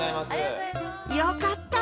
よかった